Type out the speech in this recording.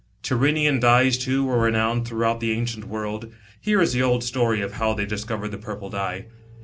Tyrian dyes, too, were renowned throughout the ancient world. Here is the old story of how they discovered the purple dye.